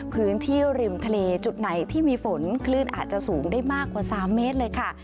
พื้นที่ริมทะเลจุดไหนที่มีฝนคลื่นอาจจะสูงได้มากกว่า๓เมตรเลยค่ะ